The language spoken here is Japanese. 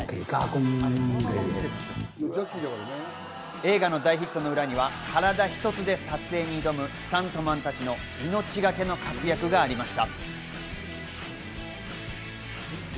映画の大ヒットの裏には、体一つで撮影に挑む、スタントマンたちの命がけの活躍がありました。